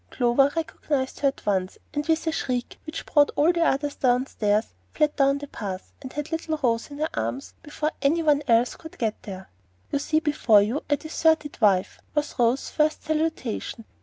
Clover recognized her at once, and with a shriek which brought all the others downstairs, flew down the path, and had little Rose in her arms before any one else could get there. "You see before you a deserted wife," was Rose's first salutation.